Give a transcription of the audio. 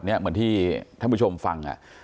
แบบนี้เหมือนที่ท่านผู้ชมฟัง